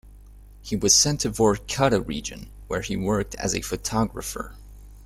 He was sent to Vorkuta region, where he worked as a photographer.